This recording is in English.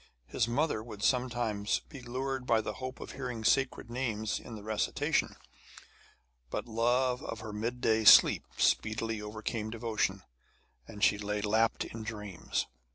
His mother would sometimes be lured by the hope of hearing sacred names in the recitation; but love of her mid day sleep speedily overcame devotion, and she lay lapped in dreams.